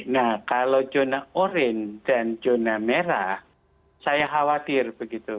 nah kalau zona orange dan zona merah saya khawatir begitu